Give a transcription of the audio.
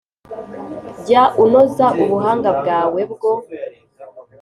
Jya unoza ubuhanga bwawe bwo